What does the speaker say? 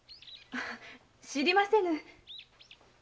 知りませぬ。